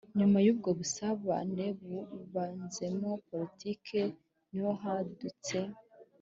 nyuma y'ubwo busabane buvanzemo politiki, ni ho hadutse